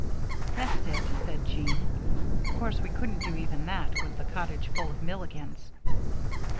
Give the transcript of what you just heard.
"That's it," said Jean. "Of course we couldn't do even that with the cottage full of Milligans."